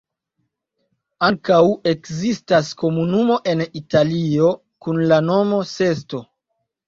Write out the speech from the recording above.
Ankaŭ ekzistas komunumo en Italio kun la nomo Sesto.